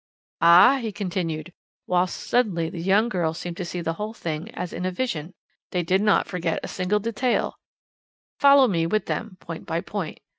"Ah!" he continued, whilst suddenly the young girl seemed to see the whole thing as in a vision, "they did not forget a single detail follow them with me, point by point.